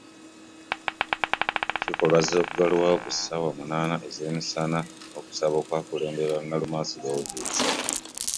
Olukiiko lwaggalwawo ku ssaawa munaana ez’emisana n’okusaba okwakulemberwa Nalumansi Lovinsa